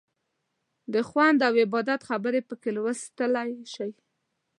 د خوند او عبادت خبرې پکې لوستلی شئ.